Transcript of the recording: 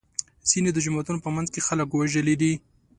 ځینې د جوماتونو په منځ کې خلک وژلي دي.